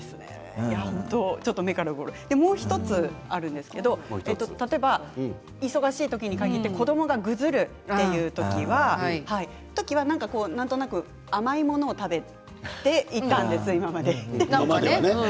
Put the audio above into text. もう１つあるんですけど例えば忙しい時に限って子どもがぐずるという時はなんとなく甘いもの食べていたんです、今まで。